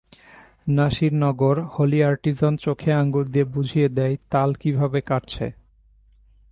Nasirnagar, Holey Artisan চোখে আঙুল দিয়ে বুঝিয়ে দেয় তাল কীভাবে কাটছে।